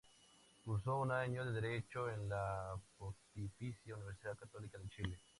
Curso un año de Derecho en la Pontificia Universidad Católica de Chile.